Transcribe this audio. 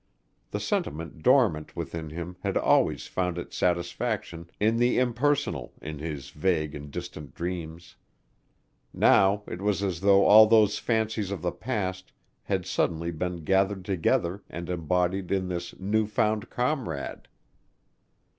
The sentiment dormant within him had always found its satisfaction in the impersonal in his vague and distant dreams. Now it was as though all those fancies of the past had suddenly been gathered together and embodied in this new found comrade.